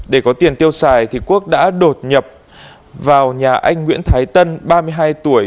để có tiền tiêu xài quốc đã đột nhập vào nhà anh nguyễn thái tân ba mươi hai tuổi